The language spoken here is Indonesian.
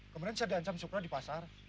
kemarin saya di ancam soekro di pasar